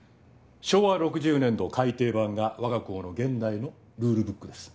昭和６０年度改訂版が我が校の現在のルールブックです。